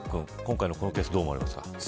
今回のこのケースどう思われますか。